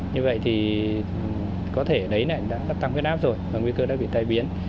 như vậy thì có thể đấy là nó đã tăng phép áp rồi và nguy cơ đã bị tai biến